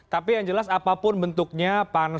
tapi yang jelas apapun bentuknya pansus ataupun panjang itu